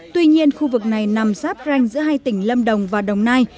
tuy nhiên khu vực này nằm sáp ranh giữa hai tỉnh lâm đồng và đồng nai